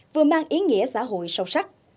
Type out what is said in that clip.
vừa mang ý nghĩa xã hội sâu sắc